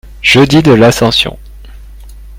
jeudi de l'Ascension.